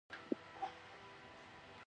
متغیره پانګه یو نیم سل میلیونه افغانۍ ده